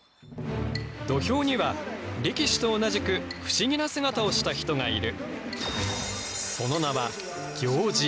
土俵には力士と同じく不思議な姿をした人がいる。